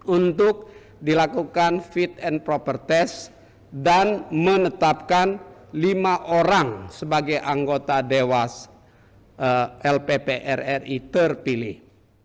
untuk dilakukan fit and proper test dan menetapkan lima orang sebagai anggota dewas lpprri terpilih